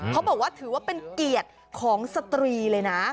ถือว่าเป็นเกียรติของสตรีเลยนะ